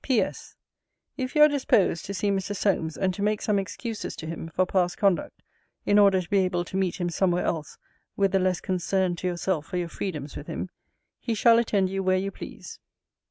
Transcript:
P.S. If you are disposed to see Mr. Solmes, and to make some excuses to him for past conduct, in order to be able to meet him somewhere else with the less concern to yourself for your freedoms with him, he shall attend you where you please.